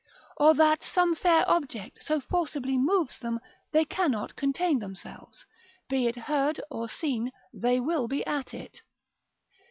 Or that some fair object so forcibly moves them, they cannot contain themselves, be it heard or seen they will be at it.